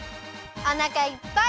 おなかいっぱい！